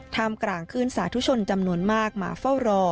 ท่ามกลางคืนสาธุชนจำนวนมากมาเฝ้ารอ